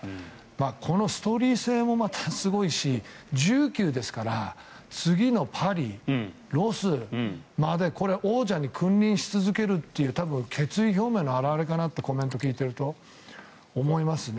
このストーリー性もまたすごいし１９歳ですから次のパリ、ロスまでこれは王者に君臨し続けるという多分、決意表明の表れかなってコメントを聞いていると思いますね。